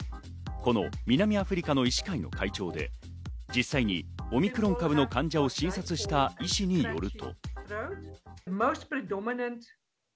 この南アフリカの医師会の会長で実際にオミクロン株の患者を診察した医師によると。